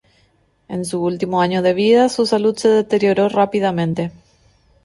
En su último año de vida su salud se deterioró rápidamente.